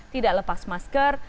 tidak lepas masker